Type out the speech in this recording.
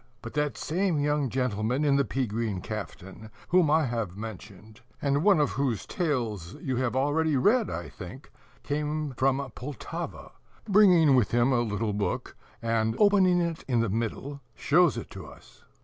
But that same young gentleman in the pea green caftan, whom I have mentioned, and one of whose Tales you have already read, I think, came from Poltava, bringing with him a little book, and, opening it in the middle, shows it to us.